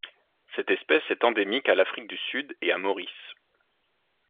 Cette espèce est endémique à l'Afrique du Sud et à Maurice.